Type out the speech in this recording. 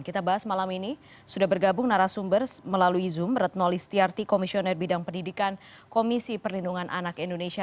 kita bahas malam ini sudah bergabung narasumber melalui zoom retno listiarti komisioner bidang pendidikan komisi perlindungan anak indonesia